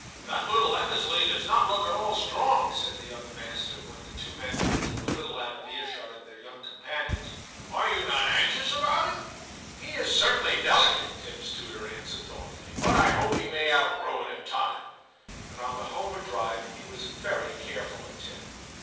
'That little Ebbesley does not look at all strong,' said the other master, when the two men were for a little out of earshot of their young companions ;* are you not anxious about him ?'* He is certainly delicate,' Tim's tutor answered thoughtfully ;* but I hope he may outgrow it in time,' and on the homeward drive he was very careful of Tim.